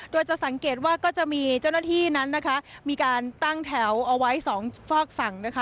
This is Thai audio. โดยจะสังเกตว่าก็จะมีเจ้าหน้าที่นั้นนะคะมีการตั้งแถวเอาไว้สองฝากฝั่งนะคะ